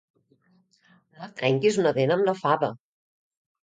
No et trenquis una dent amb la fava!